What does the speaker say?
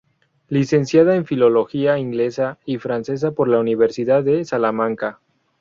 Licenciada en Filología Inglesa y Francesa por la Universidad de Salamanca.